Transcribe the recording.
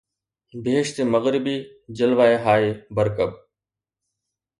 بهشت مغربي جلوه هاي برکب